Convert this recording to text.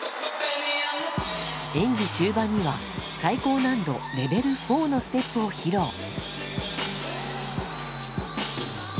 演技終盤には最高難度レベル４のステップを披露。